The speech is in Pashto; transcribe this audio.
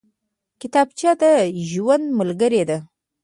کتابچه د ژوند ملګرې ده